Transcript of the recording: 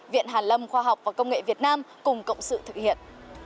viện hàn lâm khoa học và công nghệ việt nam cùng cộng sự thực hiện